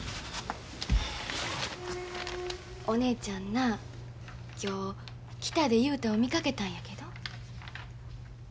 お姉ちゃんな今日キタで雄太を見かけたんやけど。